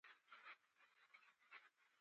وده د ژوند نښه ده.